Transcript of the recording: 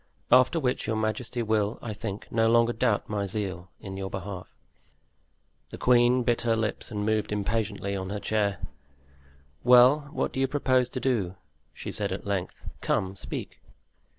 After which your majesty will, I think, no longer doubt my zeal in your behalf." The queen bit her lips and moved impatiently on her chair. "Well, what do you propose to do?" she, said at length; "come, speak."